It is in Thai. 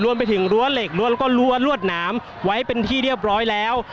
รวมไปถึงรั้วเหล็กรั้วแล้วก็รั้วรวดหนามไว้เป็นที่เรียบร้อยแล้ว